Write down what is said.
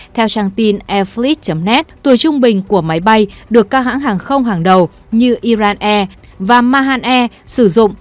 theo trang tin airfleet net tuổi trung bình của máy bay được các hãng hàng không hàng đầu như iran air và mahan air sử dụng